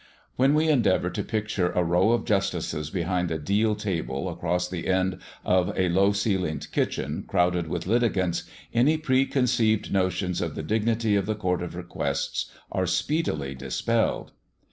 When we endeavour to picture a row of justices behind a deal table across the end of a low ceiling kitchen, crowded with litigants, any preconceived notions of the dignity of the Court of Requests are speedily dispelled.